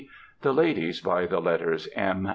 the ladies, by the letters M.